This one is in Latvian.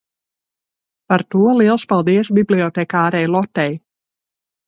par to liels paldies bibliotekārei Lotei